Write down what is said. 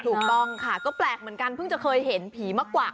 ถูกต้องค่ะก็แปลกเหมือนกันเพิ่งจะเคยเห็นผีมากวัก